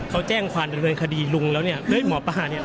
เขาแจ้งความดำเนินคดีลุงแล้วเนี่ยเฮ้ยหมอปลาเนี่ย